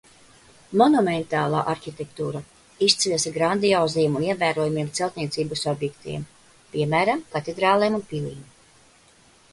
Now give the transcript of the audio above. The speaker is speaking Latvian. Monumentālā arhitektūra izceļas ar grandioziem un ievērojamiem celtniecības objektiem, piemēram, katedrālēm un pilīm.